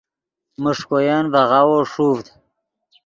میݰکوین ڤے غاوو ݰوڤد